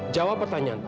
jawab pertanyaan papa